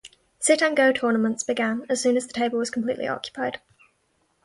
Sit and Go tournaments began as soon as the table was completely occupied.